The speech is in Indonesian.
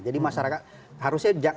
jadi masyarakat harusnya